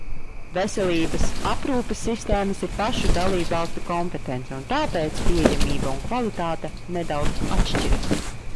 Veselības aprūpes sistēmas ir pašu dalībvalstu kompetence, un tāpēc pieejamība un kvalitāte nedaudz atšķiras.